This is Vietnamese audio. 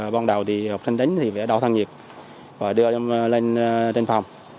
ban đầu học sinh đến thì phải đo thăng nhiệt và đưa lên phòng